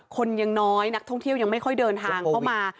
คนยังน้อยนักท่องเที่ยวยังไม่ค่อยเดินทางเข้ามา